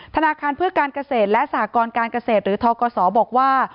ธนาคารเพื่อการเกษตรและสหกรการเกษตรหรือทกศบอกว่า